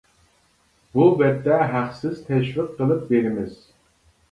بۇ بەتتە ھەقسىز تەشۋىق قىلىپ بېرىمىز.